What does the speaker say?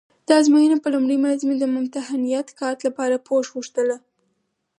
د ازموینې په لومړۍ ورځ مې د ممتحنیت کارت لپاره پوښ غوښته.